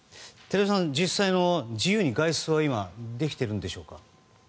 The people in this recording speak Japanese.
寺島さんは自由に外出はできているんでしょうか。